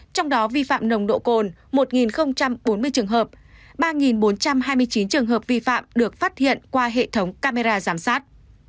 trong đó vi phạm nồng độ cồn một bốn mươi trường hợp ba bốn trăm hai mươi chín trường hợp vi phạm được phát hiện qua hệ thống camera giám sát